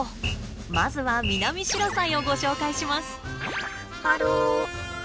まずはミナミシロサイをご紹介します！